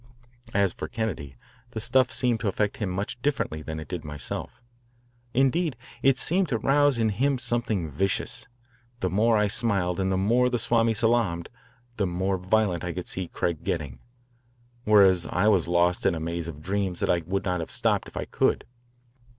As for Kennedy, the stuff seemed to affect him much differently than it did myself. Indeed, it seemed to rouse in him something vicious. The more I smiled and the more the Swami salaamed, the more violent I could see Craig getting, whereas I was lost in a maze of dreams that I would not have stopped if I could.